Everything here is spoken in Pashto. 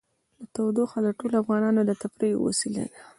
تودوخه د ټولو افغانانو د تفریح یوه وسیله ده.